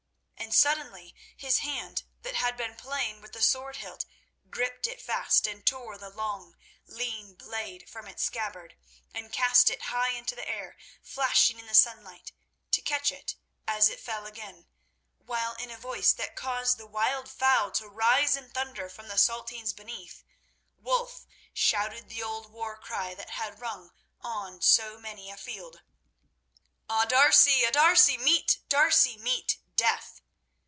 And suddenly his hand that had been playing with the sword hilt gripped it fast, and tore the long, lean blade from its scabbard and cast it high into the air, flashing in the sunlight, to catch it as it fell again, while in a voice that caused the wild fowl to rise in thunder from the Saltings beneath, Wulf shouted the old war cry that had rung on so many a field—"_A D'Arcy! a D'Arcy! Meet D'Arcy, meet Death!